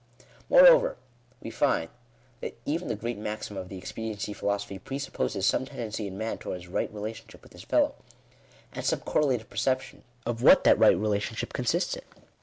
Moreover we find that even the great maxim of the expediency philosophy presupposes some tendency in man towards right relationship with his fellow, and some correlative perception of what that right relationship consists in.